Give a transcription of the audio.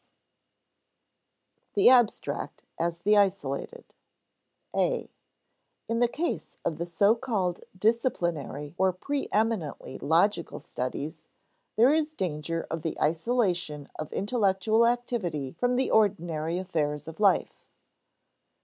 [Sidenote: The abstract as the isolated] (a) In the case of the so called disciplinary or pre eminently logical studies, there is danger of the isolation of intellectual activity from the ordinary affairs of life.